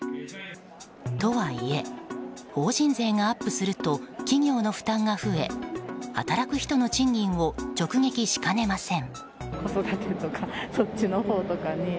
とはいえ法人税がアップすると企業の負担が増え働く人の賃金を直撃しかねません。